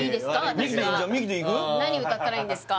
私は何歌ったらいいんですか？